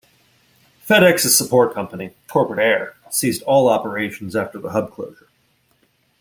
FedEx's support company, Corporate Air, ceased all operations after the hub closure.